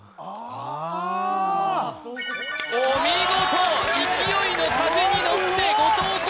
ああお見事勢いの風に乗って後藤弘